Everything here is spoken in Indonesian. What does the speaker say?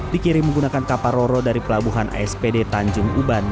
dikirim menggunakan kapal roro dari pelabuhan aspd tanjung uban